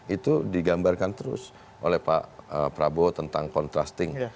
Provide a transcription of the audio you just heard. itu digambarkan terus oleh pak prabowo tentang kontrasting